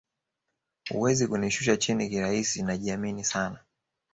Huwezi kunishusha chini kirahisi najiamini sana